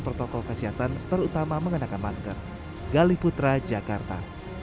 protokol kesehatan terutama mengenakan masker galih putra jakarta